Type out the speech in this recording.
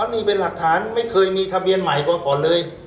นี่เป็นหลักฐานไม่เคยมีทะเบียนใหม่มาก่อนเลย